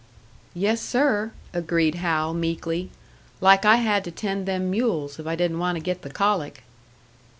"Yes, sir," agreed Hal, meekly "like I had to tend to them mules, if I didn't want to get the colic."